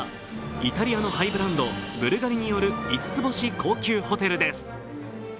イタリアのハイブランド、ブルガリによる五つ星高級ホテルです。